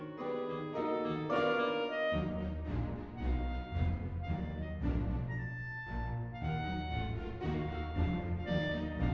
hei liat depan dia gilai